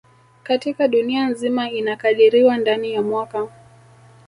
Katika dunia nzima inakadiriwa ndani ya mwaka